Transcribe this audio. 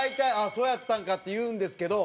そうやったんかって言うんですけど。